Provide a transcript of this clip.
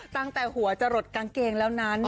ตั้งแต่หัวจะหลดกางเกงแล้วนั้น